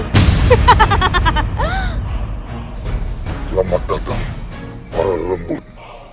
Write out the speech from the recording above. selamat datang para lembut